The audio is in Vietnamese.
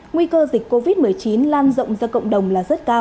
nguy cơ dịch covid một mươi chín lan rộng ra cộng đồng là rất cao